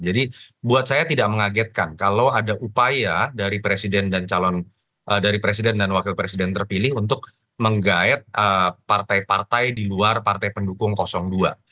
jadi buat saya tidak mengagetkan kalau ada upaya dari presiden dan wakil presiden terpilih untuk menggait partai partai di luar partai pendukung kosong dua